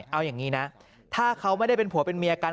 เอาอย่างนี้นะถ้าเขาไม่ได้เป็นผัวเป็นเมียกัน